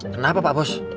kenapa pak bos